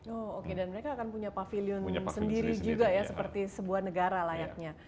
oh oke dan mereka akan punya pavilion sendiri juga ya seperti sebuah negara layaknya